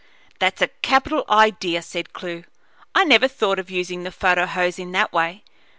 "That's a capital idea," said Clewe. "I never thought of using the photo hose in that way.